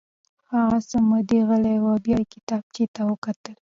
هغه څه موده غلی و او بیا یې کتابچې ته وکتل